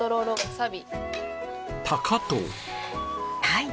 はい。